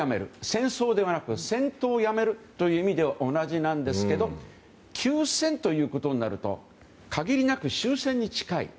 戦争ではなく戦闘をやめるという意味では同じなんですけど休戦ということになると限りなく終戦に近い。